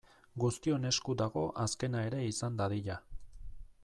Guztion esku dago azkena ere izan dadila.